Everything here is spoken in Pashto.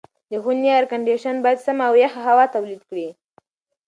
د خونې اېرکنډیشن باید سمه او یخه هوا تولید کړي.